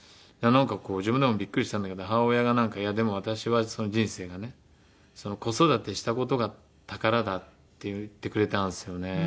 自分でもビックリしたんだけど母親が「でも私は人生がね子育てした事が宝だ」って言ってくれたんですよね。